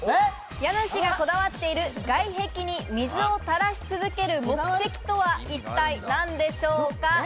家主がこだわっている外壁に水をたらし続ける目的とは一体何でしょうか？